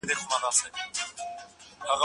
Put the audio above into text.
د مرکزي حکومت پياوړتيا د ټولو په ګټه ده.